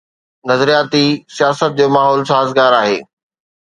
نظرياتي سياست جو ماحول سازگار آهي.